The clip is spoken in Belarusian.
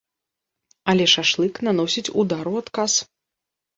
Але шашлык наносіць удар у адказ.